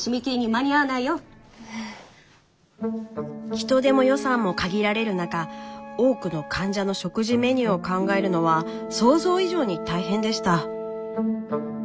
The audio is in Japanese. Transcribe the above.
人手も予算も限られる中多くの患者の食事メニューを考えるのは想像以上に大変でした。